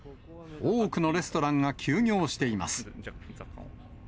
多くのレストランが休業しています。